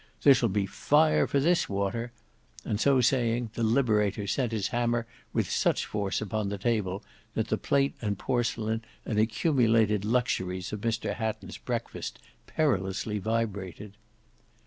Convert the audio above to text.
There shall be fire for this water;" and so saying the Liberator sent his hammer with such force upon the table, that the plate and porcelain and accumulated luxuries of Mr Hatton's breakfast perilously vibrated.